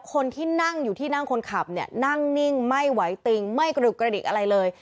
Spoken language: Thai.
คนที่นั่งอยู่ที่นั่งคนขับเนี่ยนั่งนิ่งไม่ไหวติงไม่กระดึกกระดิกอะไรเลย